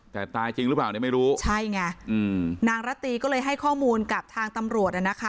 แต่ตายจริงหรือเปล่าเนี่ยไม่รู้ใช่ไงอืมนางระตีก็เลยให้ข้อมูลกับทางตำรวจอ่ะนะคะ